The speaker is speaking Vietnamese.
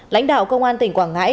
lãnh đạo công an tỉnh quảng ngãi